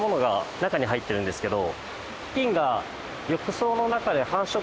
中に入ってるんですけど。